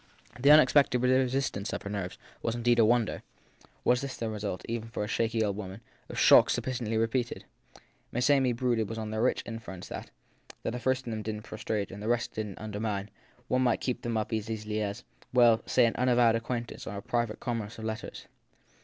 The unexpected resistance of her nerves was indeed a wonder : was that, then, the result, even for a shaky old woman, of shocks sufficiently repeated ? Miss Amy brooded on the rich inference that, if the first of them didn t prostrate and the rest didn t undermine, one might keep them up as easily as well, say an unavowed acquaint ance or a private commerce of letters.